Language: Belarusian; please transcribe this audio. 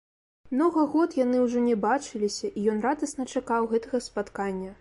Многа год яны ўжо не бачыліся, і ён радасна чакаў гэтага спаткання.